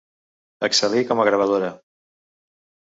Excel·lí com a gravadora.